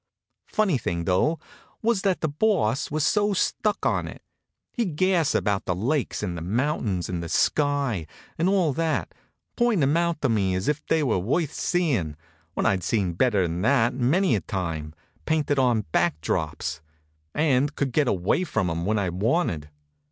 Funny thing, though, was that the Boss was so stuck on it. He'd gas about the lakes, and the mountains, and the sky, and all that, pointing 'em out to me as if they were worth seeing, when I'd seen better'n that many a time, painted on back drops and could get away from 'em when I wanted.